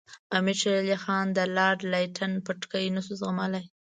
امیر شېر علي خان د لارډ لیټن پټکې نه شو زغملای.